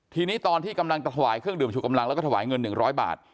ทีนี้ตอนที่กำลังถวายเครื่องดื่มชูกำลังแล้วก็ถวายเงิน๑๐๐บาท